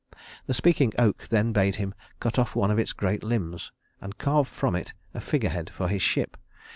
The Speaking Oak then bade him cut off one of its great limbs, and carve from it a figurehead for his ship.